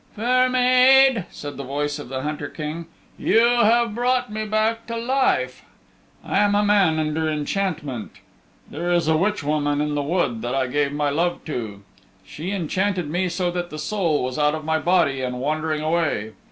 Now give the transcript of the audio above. "Fair Maid," said the voice of the Hunter King, "you have brought me back to life. I am a man under enchantment. There is a witch woman in the wood that I gave my love to. She enchanted me so that the soul was out of my body, and wandering away.